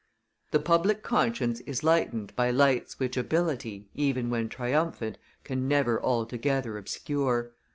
The public conscience is lightened by lights which ability, even when triumphant, can never altogether obscure.